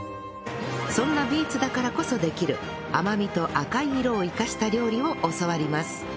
そんなビーツだからこそできる甘みと赤い色を生かした料理を教わります